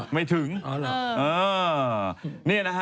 ไม่ถึง